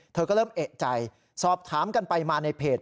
เธอก็เริ่มเอกใจสอบถามกันไปมาในเพจ